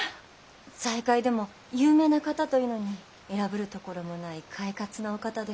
財界でも有名な方というのに偉ぶるところもない快活なお方で。